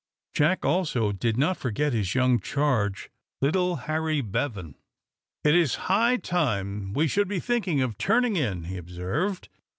Jack, also, did not forget his young charge, little Harry Bevan. "It is high time we should be thinking of turning in," he observed.